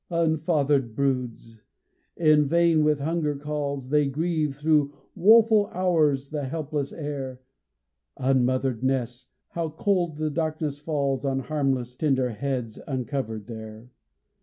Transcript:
Unfathered broods! In vain with hunger calls They grieve through woeful hours the helpless air; Unmothered nests! How cold the darkness falls On harmless, tender heads, uncovered there.